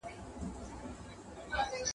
هر مرغه به یې حملې ته آماده سو !.